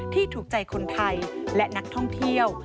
ถูกใจคนไทยและนักท่องเที่ยว